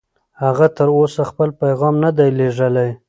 هغه تر اوسه خپل پیغام نه دی لېږلی.